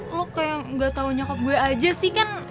lo kayak gak tau nyokap gue aja sih kan